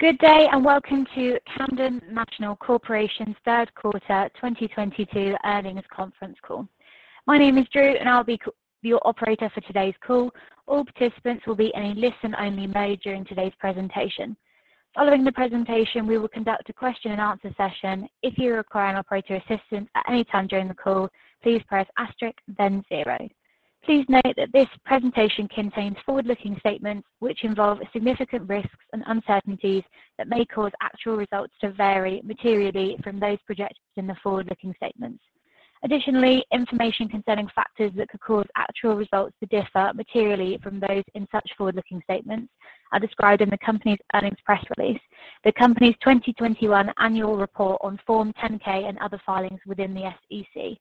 Good day, and welcome to Camden National Corporation's third quarter 2022 earnings conference call. My name is Drew, and I'll be your operator for today's call. All participants will be in a listen-only mode during today's presentation. Following the presentation, we will conduct a question and answer session. If you require operator assistance at any time during the call, please press Asterisk then zero. Please note that this presentation contains forward-looking statements which involve significant risks and uncertainties that may cause actual results to vary materially from those projected in the forward-looking statements. Additionally, information concerning factors that could cause actual results to differ materially from those in such forward-looking statements are described in the company's earnings press release, the company's 2021 annual report on Form 10-K and other filings with the SEC.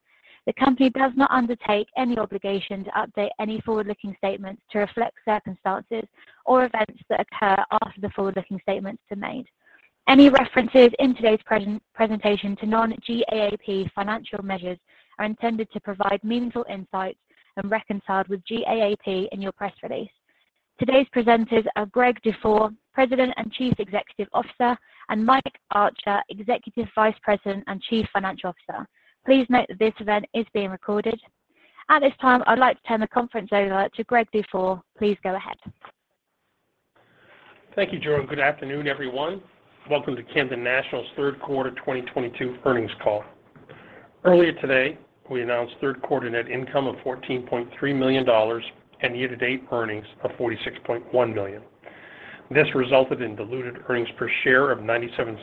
The company does not undertake any obligation to update any forward-looking statements to reflect circumstances or events that occur after the forward-looking statements are made. Any references in today's presentation to non-GAAP financial measures are intended to provide meaningful insights and reconciled with GAAP in your press release. Today's presenters are Greg Dufour, President and Chief Executive Officer, and Mike Archer, Executive Vice President and Chief Financial Officer. Please note that this event is being recorded. At this time, I'd like to turn the conference over to Greg Dufour. Please go ahead. Thank you, Drew, and good afternoon, everyone. Welcome to Camden National's third quarter 2022 earnings call. Earlier today, we announced third quarter net income of $14.3 million and year-to-date earnings of $46.1 million. This resulted in diluted earnings per share of $0.97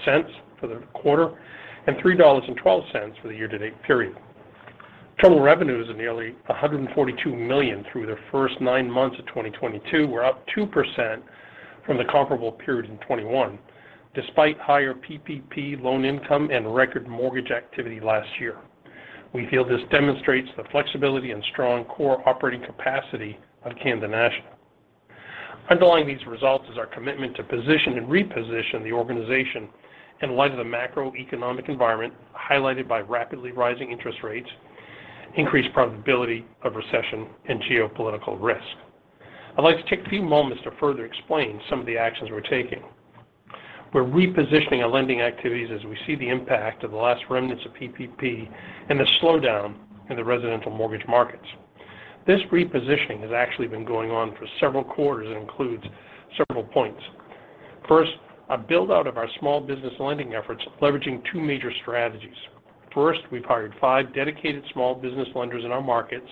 for the quarter and $3.12 for the year-to-date period. Total revenues of nearly $142 million through the first nine months of 2022 were up 2% from the comparable period in 2021, despite higher PPP loan income and record mortgage activity last year. We feel this demonstrates the flexibility and strong core operating capacity of Camden National. Underlying these results is our commitment to position and reposition the organization in light of the macroeconomic environment, highlighted by rapidly rising interest rates, increased probability of recession, and geopolitical risk. I'd like to take a few moments to further explain some of the actions we're taking. We're repositioning our lending activities as we see the impact of the last remnants of PPP and the slowdown in the residential mortgage markets. This repositioning has actually been going on for several quarters and includes several points. First, a build-out of our small business lending efforts, leveraging two major strategies. First, we've hired five dedicated small business lenders in our markets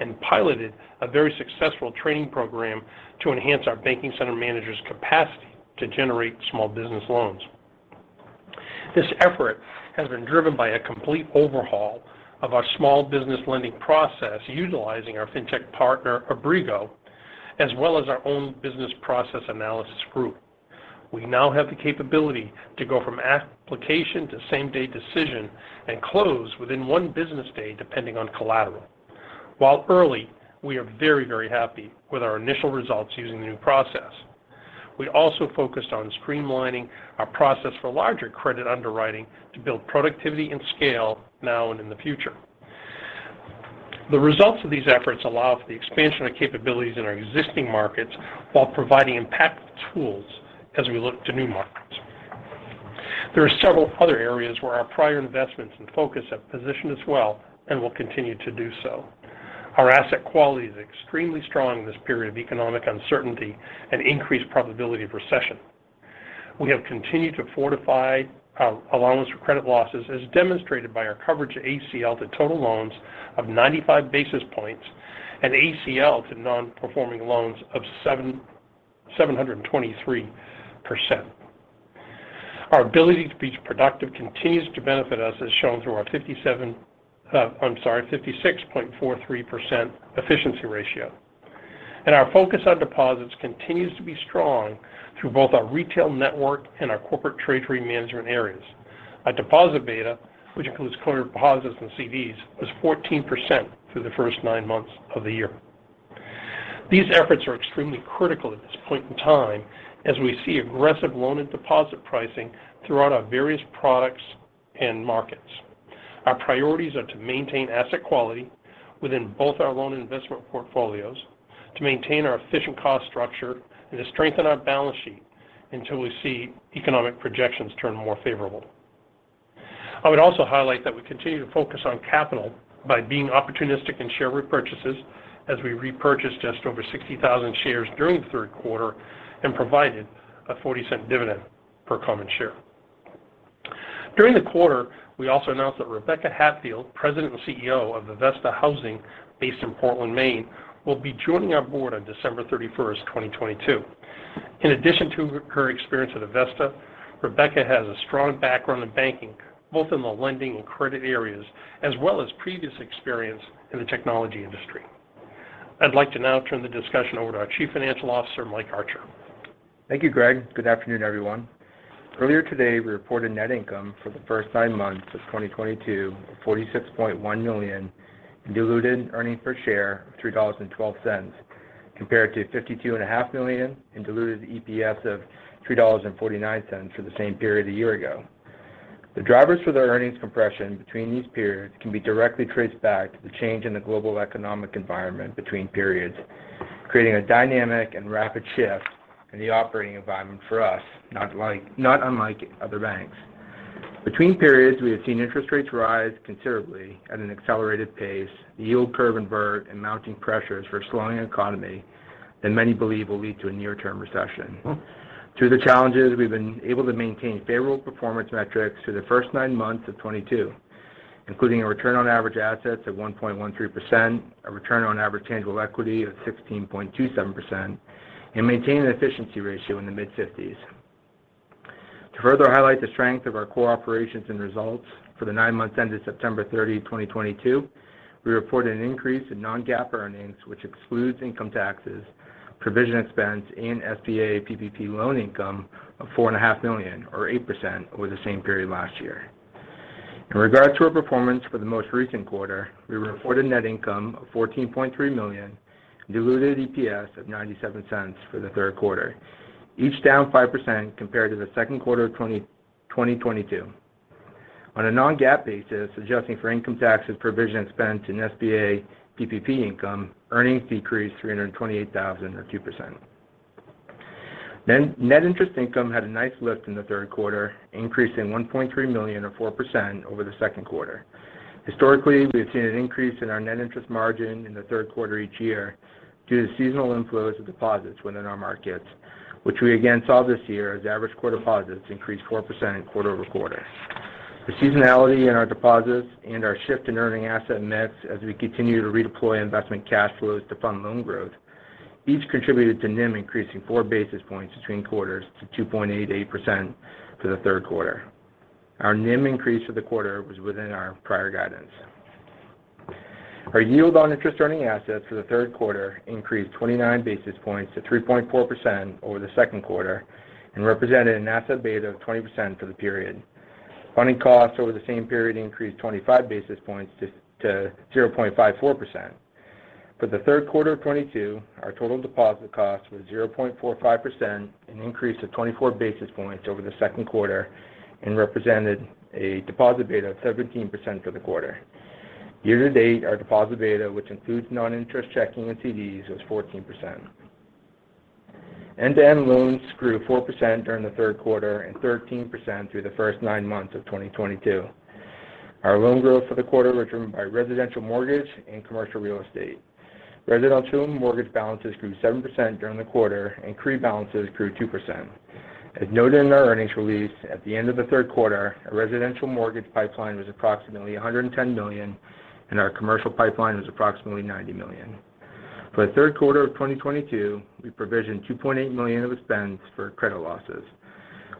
and piloted a very successful training program to enhance our banking center managers' capacity to generate small business loans. This effort has been driven by a complete overhaul of our small business lending process, utilizing our fintech partner, Abrigo, as well as our own business process analysis group. We now have the capability to go from application to same-day decision and close within one business day, depending on collateral. While early, we are very, very happy with our initial results using the new process. We also focused on streamlining our process for larger credit underwriting to build productivity and scale now and in the future. The results of these efforts allow for the expansion of capabilities in our existing markets while providing impactful tools as we look to new markets. There are several other areas where our prior investments and focus have positioned us well and will continue to do so. Our asset quality is extremely strong in this period of economic uncertainty and increased probability of recession. We have continued to fortify our allowance for credit losses, as demonstrated by our coverage of ACL to total loans of 95 basis points and ACL to non-performing loans of 777%. Our ability to be productive continues to benefit us, as shown through our 56.43% efficiency ratio. Our focus on deposits continues to be strong through both our retail network and our corporate treasury management areas. Our deposit beta, which includes core deposits and CDs, was 14% through the first nine months of the year. These efforts are extremely critical at this point in time as we see aggressive loan and deposit pricing throughout our various products and markets. Our priorities are to maintain asset quality within both our loan investment portfolios, to maintain our efficient cost structure, and to strengthen our balance sheet until we see economic projections turn more favorable. I would also highlight that we continue to focus on capital by being opportunistic in share repurchases as we repurchased just over 60,000 shares during the third quarter and provided a $0.40 dividend per common share. During the quarter, we also announced that Rebecca Hatfield, President and CEO of Avesta Housing based in Portland, Maine, will be joining our board on December 31, 2022. In addition to her experience at Avesta, Rebecca has a strong background in banking, both in the lending and credit areas, as well as previous experience in the technology industry. I'd like to now turn the discussion over to our Chief Financial Officer, Mike Archer. Thank you, Greg. Good afternoon, everyone. Earlier today, we reported net income for the first nine months of 2022 of $46.1 million and diluted earnings per share of $3.12, compared to $52.5 million in diluted EPS of $3.49 for the same period a year ago. The drivers for the earnings compression between these periods can be directly traced back to the change in the global economic environment between periods, creating a dynamic and rapid shift in the operating environment for us, not unlike other banks. Between periods, we have seen interest rates rise considerably at an accelerated pace, the yield curve invert, and mounting pressures for a slowing economy that many believe will lead to a near-term recession. Through the challenges, we've been able to maintain favorable performance metrics through the first nine months of 2022, including a return on average assets of 1.13%, a return on average tangible equity of 16.27%, and maintain an efficiency ratio in the mid-50s. To further highlight the strength of our core operations and results for the nine months ended September 30, 2022, we reported an increase in non-GAAP earnings, which excludes income taxes, provision expense, and SBA PPP loan income of $4.5 million, or 8%, over the same period last year. In regards to our performance for the most recent quarter, we reported net income of $14.3 million and diluted EPS of $0.97 for the third quarter, each down 5% compared to the second quarter of 2022. On a non-GAAP basis, adjusting for income taxes, provision expense, and SBA PPP income, earnings decreased $328,000, or 2%. Net interest income had a nice lift in the third quarter, increasing $1.3 million, or 4%, over the second quarter. Historically, we have seen an increase in our net interest margin in the third quarter each year due to seasonal inflows of deposits within our markets, which we again saw this year as average core deposits increased 4% quarter-over-quarter. The seasonality in our deposits and our shift in earning asset nets as we continue to redeploy investment cash flows to fund loan growth each contributed to NIM increasing 4 basis points between quarters to 2.88% for the third quarter. Our NIM increase for the quarter was within our prior guidance. Our yield on interest earning assets for the third quarter increased 29 basis points to 3.4% over the second quarter and represented an asset beta of 20% for the period. Funding costs over the same period increased 25 basis points to 0.54%. For the third quarter of 2022, our total deposit cost was 0.45%, an increase of 24 basis points over the second quarter and represented a deposit beta of 17% for the quarter. Year to date, our deposit beta, which includes noninterest checking and CDs, was 14%. End-of-period loans grew 4% during the third quarter and 13% through the first nine months of 2022. Our loan growth for the quarter was driven by residential mortgage and commercial real estate. Residential mortgage balances grew 7% during the quarter and CRE balances grew 2%. As noted in our earnings release, at the end of the third quarter, our residential mortgage pipeline was approximately $110 million and our commercial pipeline was approximately $90 million. For the third quarter of 2022, we provisioned $2.8 million of expense for credit losses,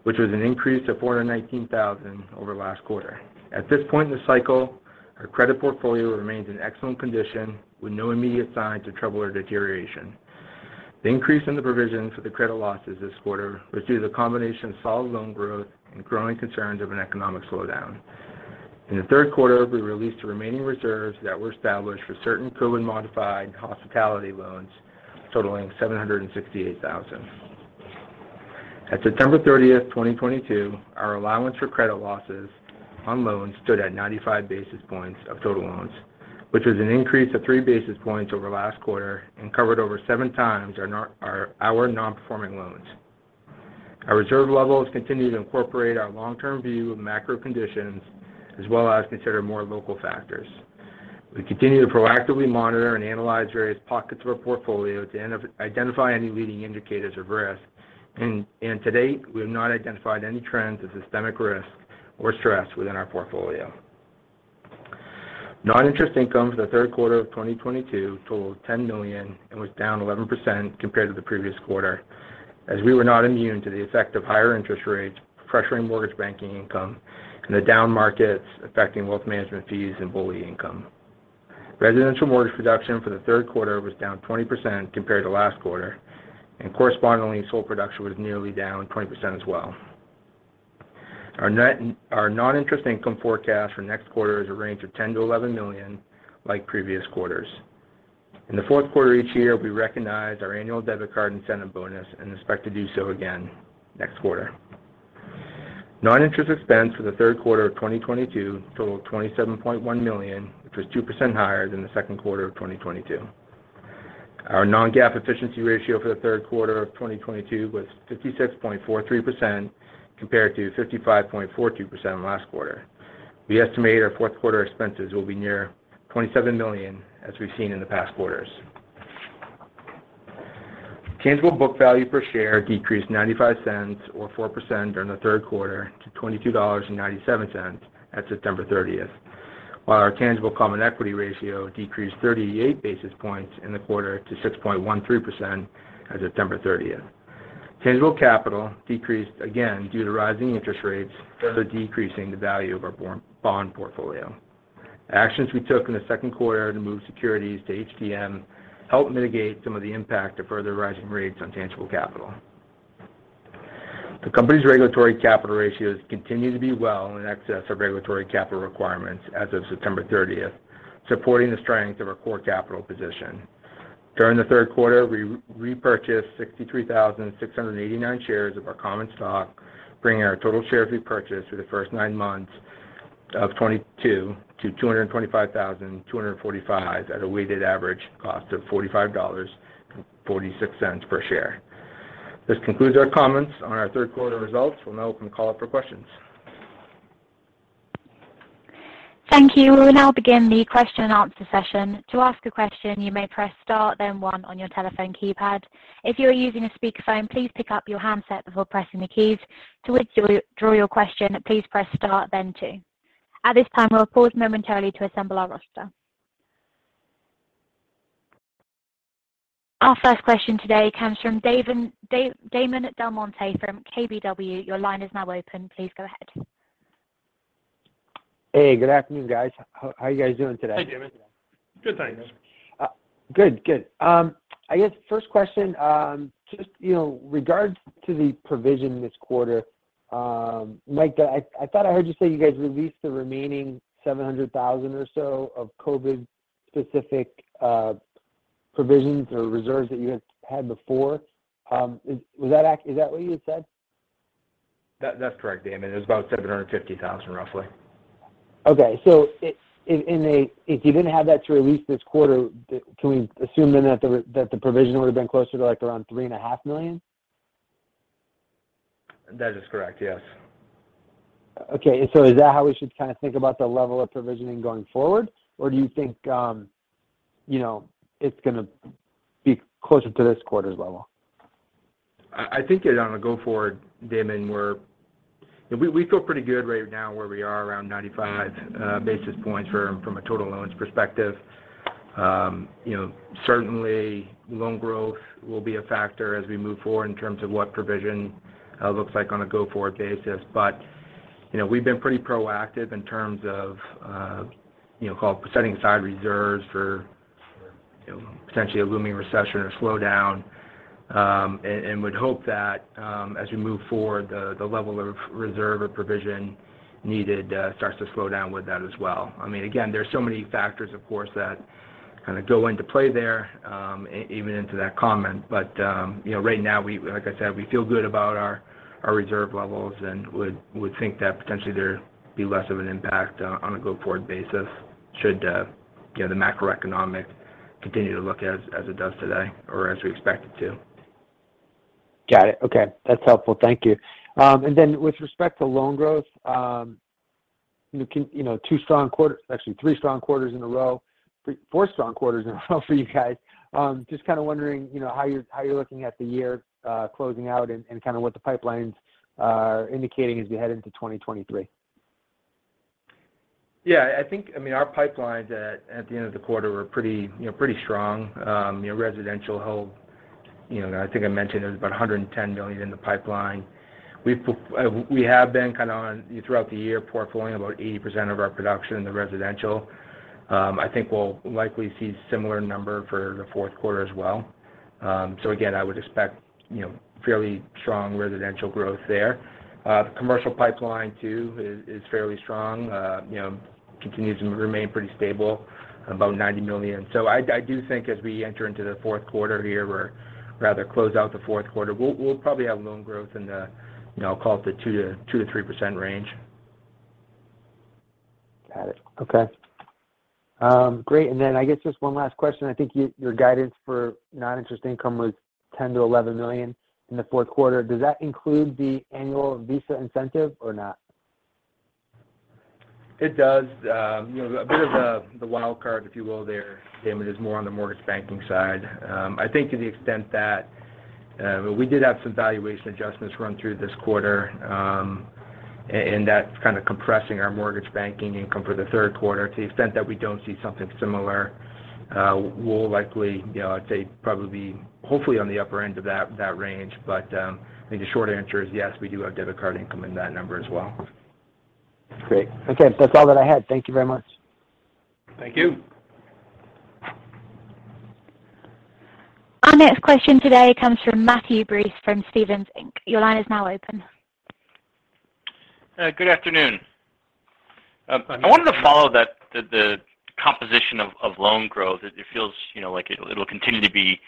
which was an increase of $419,000 over last quarter. At this point in the cycle, our credit portfolio remains in excellent condition with no immediate signs of trouble or deterioration. The increase in the provision for the credit losses this quarter was due to the combination of solid loan growth and growing concerns of an economic slowdown. In the third quarter, we released the remaining reserves that were established for certain COVID-modified hospitality loans totaling $768,000. At September 30, 2022, our allowance for credit losses on loans stood at 95 basis points of total loans, which was an increase of 3 basis points over last quarter and covered over 7 times our non-performing loans. Our reserve levels continue to incorporate our long-term view of macro conditions as well as consider more local factors. We continue to proactively monitor and analyze various pockets of our portfolio to identify any leading indicators of risk, and to date, we have not identified any trends of systemic risk or stress within our portfolio. Non-interest income for the third quarter of 2022 totaled $10 million and was down 11% compared to the previous quarter as we were not immune to the effect of higher interest rates pressuring mortgage banking income and the down markets affecting wealth management fees and BOLI income. Residential mortgage production for the third quarter was down 20% compared to last quarter, and correspondingly, sold production was nearly down 20% as well. Our non-interest income forecast for next quarter is a range of $10 million-$11 million like previous quarters. In the fourth quarter each year, we recognize our annual debit card incentive bonus and expect to do so again next quarter. Non-interest expense for the third quarter of 2022 totaled $27.1 million, which was 2% higher than the second quarter of 2022. Our non-GAAP efficiency ratio for the third quarter of 2022 was 56.43% compared to 55.42% last quarter. We estimate our fourth quarter expenses will be near $27 million as we've seen in the past quarters. Tangible book value per share decreased 95 cents or 4% during the third quarter to $22.97 at September 30, while our tangible common equity ratio decreased 38 basis points in the quarter to 6.13% at September 30. Tangible capital decreased again due to rising interest rates further decreasing the value of our bond portfolio. Actions we took in the second quarter to move securities to HTM helped mitigate some of the impact of further rising rates on tangible capital. The company's regulatory capital ratios continue to be well in excess of regulatory capital requirements as of September 30, supporting the strength of our core capital position. During the third quarter, we repurchased 63,689 shares of our common stock, bringing our total shares repurchase through the first nine months of 2022 to 225,245 at a weighted average cost of $45.46 per share. This concludes our comments on our third quarter results. We'll now open the call up for questions. Thank you. We will now begin the question and answer session. To ask a question, you may press star then one on your telephone keypad. If you are using a speakerphone, please pick up your handset before pressing the keys. To withdraw your question, please press star then two. At this time, we'll pause momentarily to assemble our roster. Our first question today comes from Damon DelMonte from KBW. Your line is now open. Please go ahead. Hey, good afternoon, guys. How are you guys doing today? Hey, Damon. Good, thanks. Good. Good. I guess first question, just, you know, regards to the provision this quarter, Mike, I thought I heard you say you guys released the remaining $700,000 or so of COVID-specific provisions or reserves that you had had before. Is that what you had said? That's correct, Damon. It was about $750,000, roughly. If you didn't have that release this quarter, can we assume then that the provision would have been closer to, like, around $3.5 million? That is correct, yes. Okay. Is that how we should kind of think about the level of provisioning going forward? Or do you think, you know, it's gonna be closer to this quarter's level? I think that on a go-forward, Damon, you know, we feel pretty good right now where we are around 95 basis points from a total loans perspective. You know, certainly loan growth will be a factor as we move forward in terms of what provision looks like on a go-forward basis. You know, we've been pretty proactive in terms of you know, call it setting aside reserves for you know, potentially a looming recession or slowdown, and would hope that as we move forward, the level of reserve or provision needed starts to slow down with that as well. I mean, again, there are so many factors, of course, that kind of go into play there, even into that comment. You know, right now like I said, we feel good about our reserve levels and would think that potentially there'd be less of an impact on a go-forward basis should, you know, the macroeconomic continue to look as it does today or as we expect it to. Got it. Okay. That's helpful. Thank you. With respect to loan growth, you know, two strong quarters, actually three strong quarters in a row, four strong quarters in a row for you guys. Just kind of wondering, you know, how you're looking at the year closing out and kind of what the pipelines are indicating as we head into 2023. Yeah, I think I mean, our pipelines at the end of the quarter were pretty, you know, pretty strong. You know, residential held, you know, I think I mentioned there's about $110 million in the pipeline. We have been kind of on, throughout the year, portfolioing about 80% of our production in the residential. I think we'll likely see similar number for the fourth quarter as well. Again, I would expect, you know, fairly strong residential growth there. The commercial pipeline too is fairly strong, you know, continues to remain pretty stable, about $90 million. I do think as we enter into the fourth quarter here or rather close out the fourth quarter, we'll probably have loan growth in the, you know, call it the 2%-3% range. Got it. Okay. Great. I guess just one last question. I think your guidance for non-interest income was $10 million-$11 million in the fourth quarter. Does that include the annual Visa incentive or not? It does. You know, a bit of the wild card, if you will, there, Damon, is more on the mortgage banking side. I think to the extent that we did have some valuation adjustments run through this quarter, and that's kind of compressing our mortgage banking income for the third quarter. To the extent that we don't see something similar, we'll likely, you know, I'd say probably be hopefully on the upper end of that range. I think the short answer is yes, we do have debit card income in that number as well. Great. Okay. That's all that I had. Thank you very much. Thank you. Our next question today comes from Matthew Breese from Stephens Inc. Your line is now open. Good afternoon. Good afternoon. I wanted to follow the composition of loan growth. It feels, you know, like it'll continue to be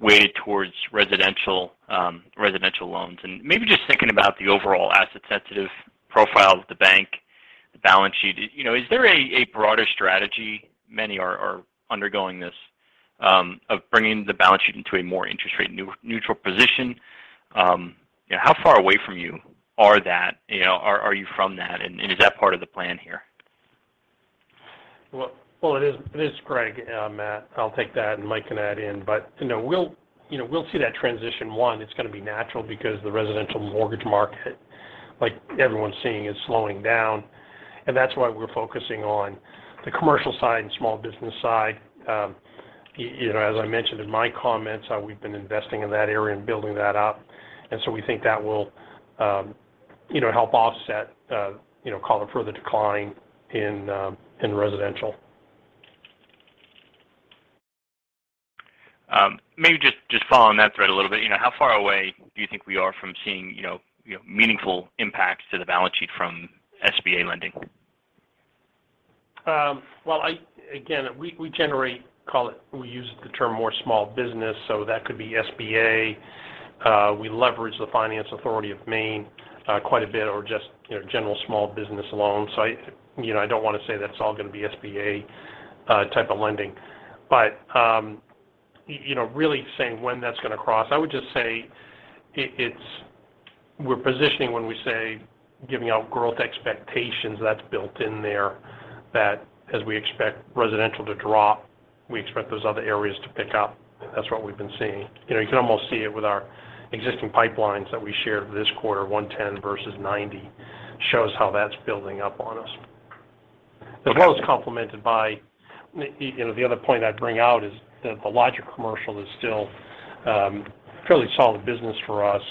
weighted towards residential loans. Maybe just thinking about the overall asset sensitive profile of the bank, the balance sheet. You know, is there a broader strategy many are undergoing of bringing the balance sheet into a more interest rate neutral position? You know, how far away are you from that? Is that part of the plan here? Well, it is, Greg, Matt, I'll take that, and Mike can add in. You know, we'll see that transition. One, it's gonna be natural because the residential mortgage market, like everyone's seeing, is slowing down. That's why we're focusing on the commercial side and small business side. You know, as I mentioned in my comments, we've been investing in that area and building that up. We think that will, you know, help offset, you know, call it further decline in residential. Maybe just following that thread a little bit. You know, how far away do you think we are from seeing, you know, meaningful impacts to the balance sheet from SBA lending? Well, again, we generate, call it, we use the term more small business, so that could be SBA. We leverage the Finance Authority of Maine quite a bit or just, you know, general small business loans. I, you know, don't wanna say that it's all gonna be SBA type of lending. You know, really saying when that's gonna cross, I would just say it's we're positioning when we say giving out growth expectations that's built in there, that as we expect residential to drop, we expect those other areas to pick up. That's what we've been seeing. You know, you can almost see it with our existing pipelines that we shared this quarter, 110 versus 90, shows how that's building up on us. As well as complemented by, you know, the other point I'd bring out is that the local commercial is still fairly solid business for us,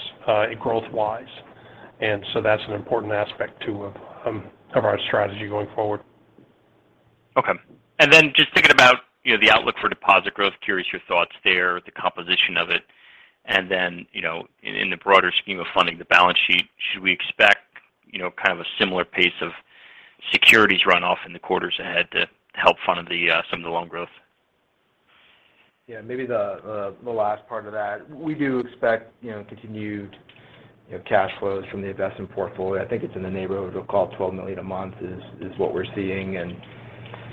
growth-wise. That's an important aspect too of our strategy going forward. Okay. Then just thinking about, you know, the outlook for deposit growth, curious your thoughts there, the composition of it. Then, you know, in the broader scheme of funding the balance sheet, should we expect, you know, kind of a similar pace of securities run off in the quarters ahead to help fund the, some of the loan growth? Yeah. Maybe the last part of that. We do expect, you know, continued, you know, cash flows from the investment portfolio. I think it's in the neighborhood of, call it $12 million a month is what we're seeing.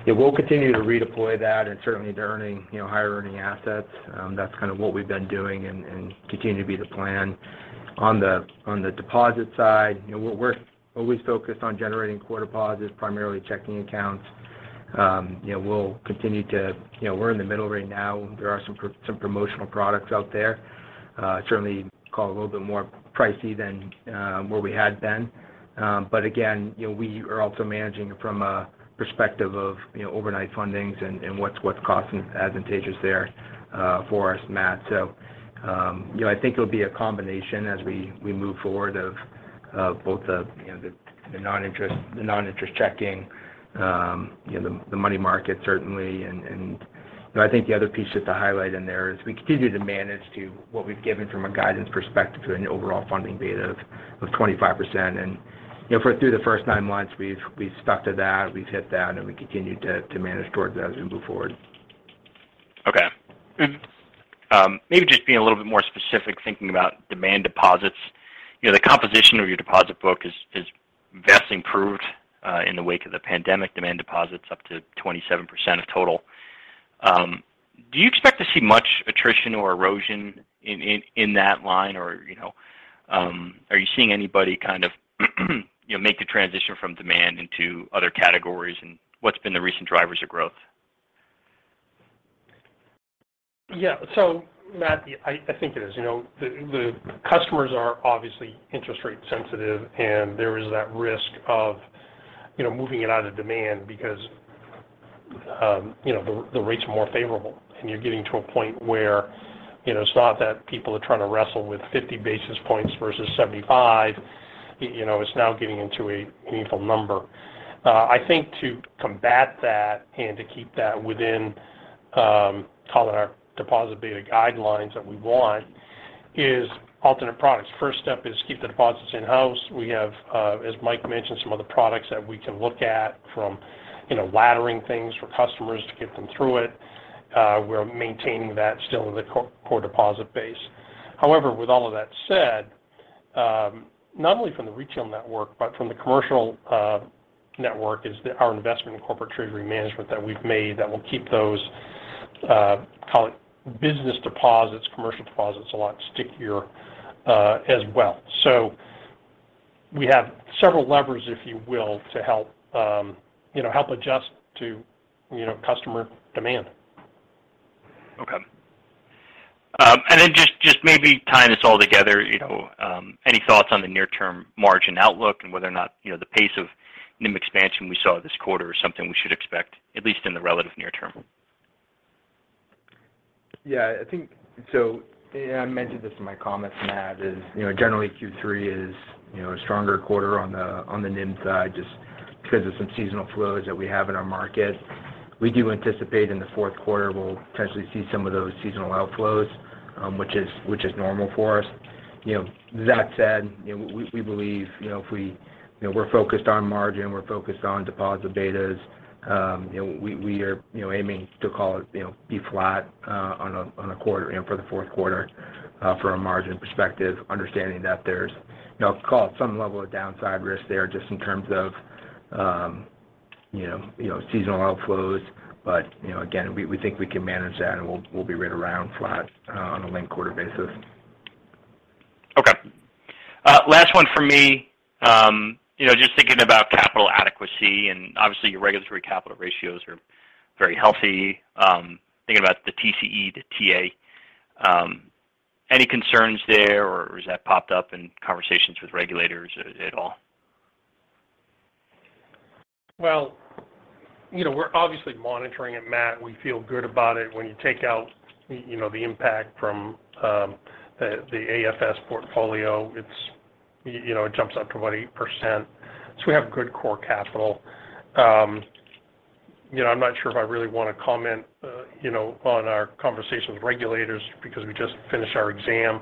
Yeah, we'll continue to redeploy that and certainly to earning, you know, higher earning assets. That's kind of what we've been doing and continue to be the plan. On the deposit side, you know, we're always focused on generating core deposits, primarily checking accounts. You know, we'll continue to. You know, we're in the middle right now. There are some promotional products out there, certainly call it a little bit more pricey than where we had been. You know, we are also managing from a perspective of you know overnight fundings and what's cost advantageous there for us, Matt. You know, I think it'll be a combination as we move forward of both the you know the non-interest checking you know the money market certainly. I think the other piece just to highlight in there is we continue to manage to what we've given from a guidance perspective to an overall funding beta of 25%. You know, through the first nine months, we've stuck to that, we've hit that, and we continue to manage towards that as we move forward. Okay. Maybe just being a little bit more specific, thinking about demand deposits. You know, the composition of your deposit book is vastly improved in the wake of the pandemic. Demand deposits up to 27% of total. Do you expect to see much attrition or erosion in that line? Or, you know, are you seeing anybody kind of, you know, make the transition from demand into other categories? What's been the recent drivers of growth? Yeah. Matt, yeah, I think it is. You know, the customers are obviously interest rate sensitive, and there is that risk of, you know, moving it out of demand because you know, the rates are more favorable. You're getting to a point where, you know, it's not that people are trying to wrestle with 50 basis points versus 75. You know, it's now getting into a meaningful number. I think to combat that and to keep that within, call it our deposit beta guidelines that we want is alternate products. First step is keep the deposits in-house. We have, as Mike mentioned, some other products that we can look at from, you know, laddering things for customers to get them through it. We're maintaining that still in the core deposit base. However, with all of that said, not only from the retail network, but from the commercial network, is our investment in corporate treasury management that we've made that will keep those, call it business deposits, commercial deposits, a lot stickier, as well. So we have several levers, if you will, to help, you know, help adjust to, you know, customer demand. Okay. Just maybe tying this all together, you know, any thoughts on the near-term margin outlook and whether or not, you know, the pace of NIM expansion we saw this quarter is something we should expect at least in the relative near term? Yeah, I think so, and I mentioned this in my comments, Matt. You know, generally Q3 is a stronger quarter on the NIM side just because of some seasonal flows that we have in our market. We do anticipate in the fourth quarter we'll potentially see some of those seasonal outflows, which is normal for us. You know, that said, you know, we believe, you know, if we, you know, we're focused on margin, we're focused on deposit betas, you know, we are, you know, aiming to call it, you know, be flat on a quarter, you know, for the fourth quarter from a margin perspective. Understanding that there's, you know, call it some level of downside risk there just in terms of seasonal outflows. You know, again, we think we can manage that, and we'll be right around flat on a linked-quarter basis. Okay. Last one from me. You know, just thinking about capital adequacy, and obviously your regulatory capital ratios are very healthy. Thinking about the TCE, the TA, any concerns there, or has that popped up in conversations with regulators at all? Well, you know, we're obviously monitoring it, Matthew. We feel good about it. When you take out, you know, the impact from the AFS portfolio, you know, it jumps up to about 8%. We have good core capital. You know, I'm not sure if I really wanna comment, you know, on our conversation with regulators because we just finished our exam.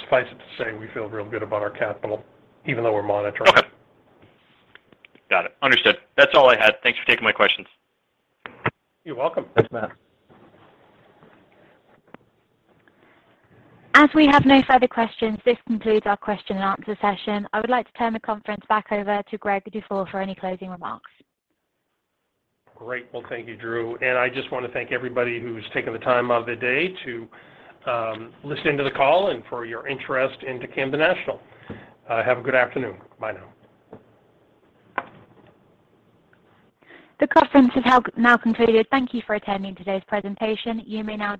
Suffice it to say, we feel real good about our capital, even though we're monitoring. Okay. Got it. Understood. That's all I had. Thanks for taking my questions. You're welcome. Thanks, Matt. As we have no further questions, this concludes our question and answer session. I would like to turn the conference back over to Greg Dufour for any closing remarks. Great. Well, thank you, Drew. I just wanna thank everybody who's taken the time out of their day to listen to the call and for your interest in Camden National. Have a good afternoon. Bye now. The conference has now concluded. Thank you for attending today's presentation. You may now disconnect.